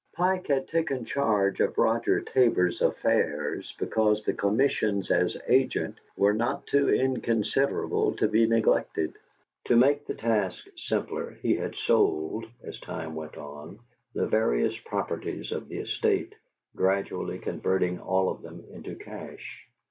Pike had taken charge of Roger Tabor's affairs because the commissions as agent were not too inconsiderable to be neglected. To make the task simpler, he had sold, as time went on, the various properties of the estate, gradually converting all of them into cash.